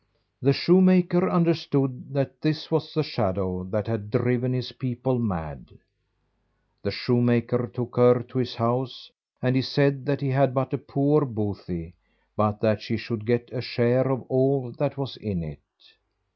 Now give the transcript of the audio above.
The shoemaker understood that this was the shadow that had driven his people mad. The shoemaker took her to his house, and he said that he had but a poor bothy, but that she should get a share of all that was in it.